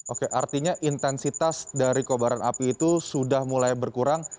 oke artinya intensitas dari kobaran api itu sudah mulai berkurang